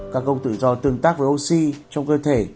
các gốc tự do tương tác với oxy trong cơ thể